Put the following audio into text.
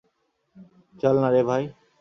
চল নারে ভাই!